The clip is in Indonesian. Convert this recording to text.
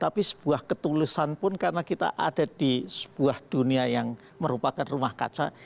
tapi sebuah ketulusan pun karena kita ada di sebuah dunia yang merupakan rumah kaca